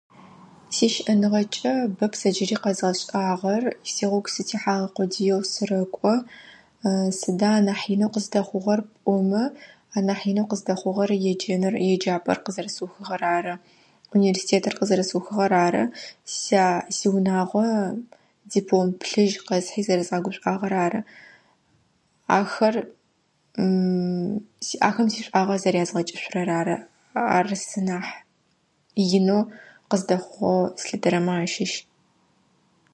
Сищыӏэныгъэкӏэ бэп сэ джыри къэзгъэшӏагъэр. Сигъогу сытехьэгъэ къодиеу сырэкӏо. сыда анахь инэу къыздэхъугъэр пӏомэ анахь инэу къыздэхъугъэр еджэныр - еджапӏэр къызэрэсыухыгъэр ары, университетыр къызэрэсыухыгъэр ары. Сиа-сиунагъо диплом плъыжь къэсхьи зэрэзгъэгушӏуагъэр ары. Ахэр си-ахэм сишӏуагъэ зэрязгъэкӏышъурэр ары ар сэ нахь инэу къыздэхъугъэу слъытэрэмэ ащыщ.